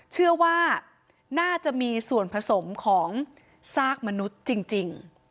เชื่อว่าน่าจะมีส่วนผสมของซากมนุษย์จริง